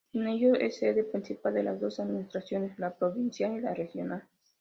En ello es sede principal de las dos administraciones: la provincial y la regional.